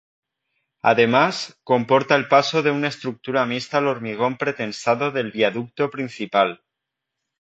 Además, comporta el paso de una estructura mixta al hormigón pretensado del viaducto principal.